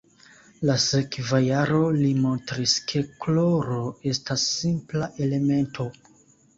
La sekva jaro li montris ke kloro, estas simpla elemento.